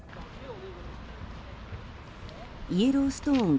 イエローストーン